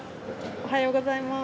おはようございます。